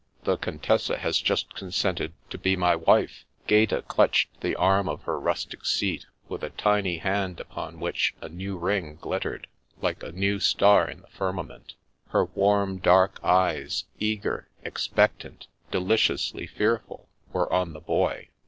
" The Contessa has just consented to be my wife." Gaeta clutched the arm of her rustic seat with a tiny hand upon which a new ring glittered, like a new star in the firmament. Her warm dark eyes, eager, expectant, deliciously fearful, were on the Boy.